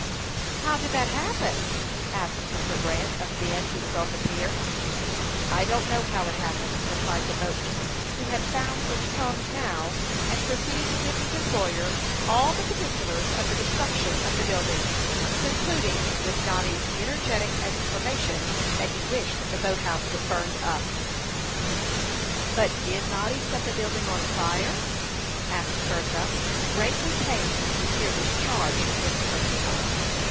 "How did that happen?" asked Mr. Grant of Ben, who was on the pier. "I don't know how it happened," replied the boatman, who had found his tongue now, and proceeded to give his employer all the particulars of the destruction of the building, concluding with Noddy's energetic exclamation that he wished the boat house was burned up. "But did Noddy set the building on fire?" asked Bertha, greatly pained to hear this charge against her pupil.